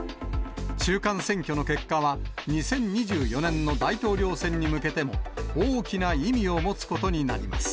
中間選挙の結果は、２０２４年の大統領選に向けても大きな意味を持つことになります。